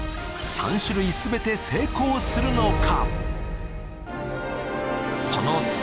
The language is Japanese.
３種類全て成功するのか？